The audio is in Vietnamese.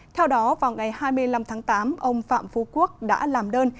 theo đó vào ngày hai mươi năm tháng tám ông phạm phú quốc đã làm đơn